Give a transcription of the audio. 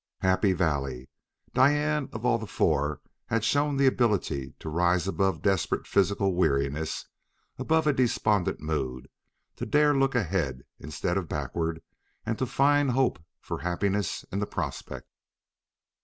"Happy Valley!" Diane of all the four had shown the ability to rise above desperate physical weariness, above a despondent mood, to dare look ahead instead of backward and to find hope for happiness in the prospect.